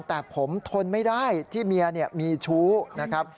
แต่ผมทนไม่ได้ที่เมียมีชู้นะครับ